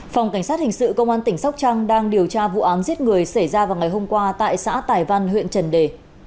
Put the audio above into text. phòng cảnh sát hình sự công an tỉnh sóc trăng đang điều tra vụ án giết người xảy ra vào ngày hôm qua tại xã tài văn huyện trần đề